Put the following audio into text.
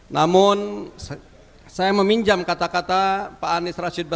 namun saya meminjam kata kata pak anies rashid baswedan calon presiden dan saya beri satu kemampuan